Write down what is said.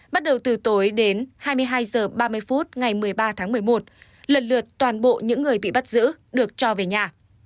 bắt đầu từ tối đến hai mươi hai h ba mươi phút ngày một mươi ba tháng một mươi một lần lượt toàn bộ những người bị bắt giữ được cho về nhà